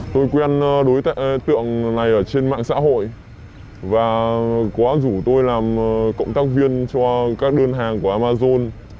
tôi quen đối tượng này ở trên mạng xã hội và có rủ tôi làm cộng tác viên cho các đơn hàng của amazon